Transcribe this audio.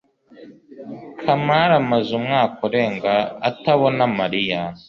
kamari amaze umwaka urenga atabona mariya